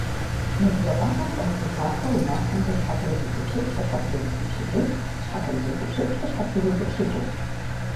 Мо бжэ къуагъым къуэлъ жыхапхъэр унащхьэмкӀэ щхьэпрызутӀыпщыкӀ, къыщхьэпрызутӀыпщыкӀыж, щхьэпрызутӀыпщыкӀ, къыщхьэпрызутӀыпщыкӀыж.